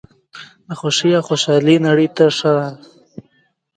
د خوښۍ او خوشحالۍ نړۍ ته راشه.